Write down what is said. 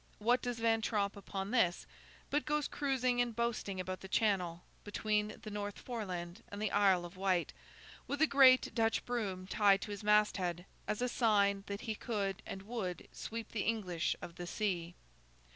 What does Van Tromp upon this, but goes cruising and boasting about the Channel, between the North Foreland and the Isle of Wight, with a great Dutch broom tied to his masthead, as a sign that he could and would sweep the English of the sea!